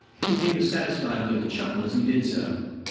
He gave a satisfied little chuckle as he did so.